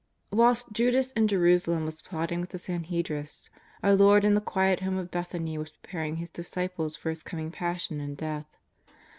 Whilst Judas in Jerusalem was plotting with the Sanhedrists, our Lord in the quiet home of Bethany was preparing His disciples for His coming Passion and Death.